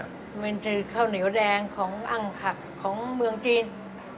มันคือข้าวเหนียวแดงของอังคักของเมืองจีน